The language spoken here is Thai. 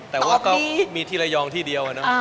แต่ว่าก็มีที่ระยองที่เดียว